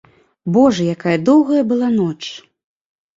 Божа, якая доўгая была ноч!